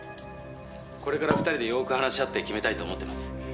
「これから２人でよく話し合って決めたいと思ってます」